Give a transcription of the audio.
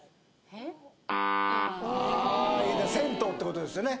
銭湯ってことですよね